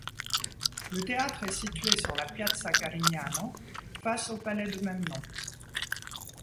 Le théâtre est situé sur la Piazza Carignano, face au palais de même nom.